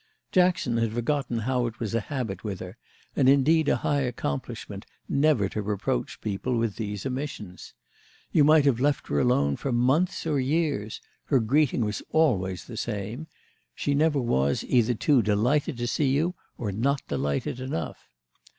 Jackson had forgotten how it was a habit with her, and indeed a high accomplishment, never to reproach people with these omissions. You might have left her alone for months or years, her greeting was always the same; she never was either too delighted to see you or not delighted enough.